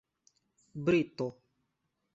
brito